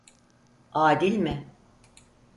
Adil mi?